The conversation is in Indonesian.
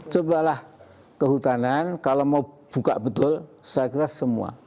cobalah kehutanan kalau mau buka betul saya kira semua